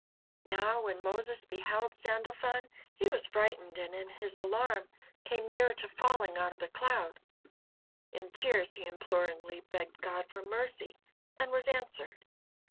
Now when Moses beheld Sandalfon, he was frightened, and in his alarm came near to falling out of the cloud. In tears he imploringly begged God for mercy, and was answered.